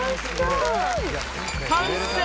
完成！